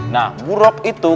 nah buruk itu